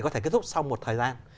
để kết thúc sau một thời gian